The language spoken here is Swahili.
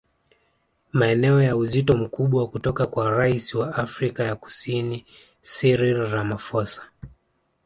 Maneno ya uzito mkubwa kutoka kwa Rais wa Afrika ya Kusini Cyril Ramaphosa